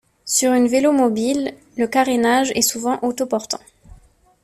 Sur une vélomobile, le carénage est souvent autoportant.